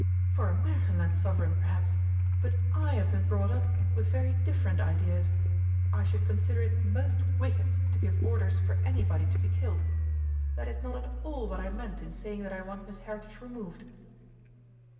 "For a Märchenland Sovereign, perhaps! But I have been brought up with very different ideas. I should consider it most wicked to give orders for anybody to be killed. That is not at all what I meant in saying that I want Miss Heritage removed."